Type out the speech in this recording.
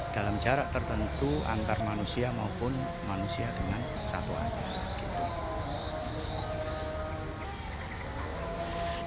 dalam jarak tertentu antar manusia maupun manusia dengan satu anak